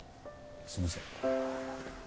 すいません。